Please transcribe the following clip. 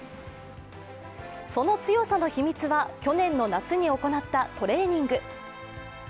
その強さの秘密は、去年の夏に行ったトレーニング。